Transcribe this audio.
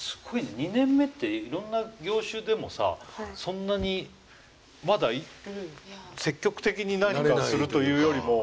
２年目っていろんな業種でもさそんなにまだ積極的に何かをするというよりも。